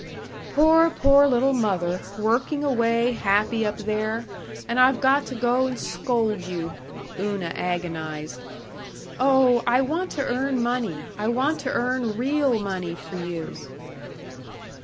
"Poor, poor little mother, working away happy up there, and I've got to go and scold you," Una agonized. "Oh, I want to earn money, I want to earn real money for you."